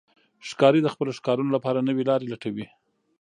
ښکاري د خپلو ښکارونو لپاره نوې لارې لټوي.